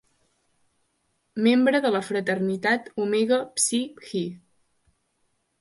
Membre de la fraternitat Omega Psi Phi.